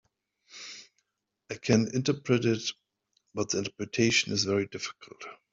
I can interpret it, but the interpretation is very difficult.